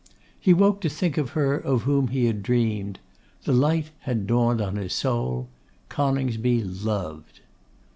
He woke to think of her of whom he had dreamed. The light had dawned on his soul. Coningsby loved.